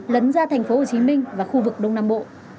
lấn ra thành phố hồ chí minh và khu vực đông nam bộ